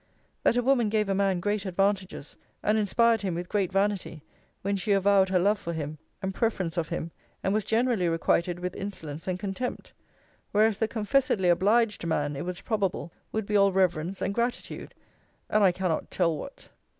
That a woman gave a man great advantages, and inspired him with great vanity, when she avowed her love for him, and preference of him; and was generally requited with insolence and contempt: whereas the confessedly obliged man, it was probable, would be all reverence and gratitude' and I cannot tell what.